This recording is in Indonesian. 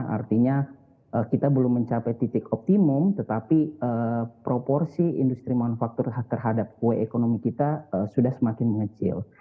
artinya kita belum mencapai titik optimum tetapi proporsi industri manufaktur terhadap kue ekonomi kita sudah semakin mengecil